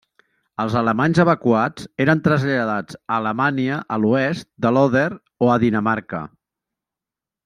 Els alemanys evacuats eren traslladats a Alemanya a l'oest de l'Oder o a Dinamarca.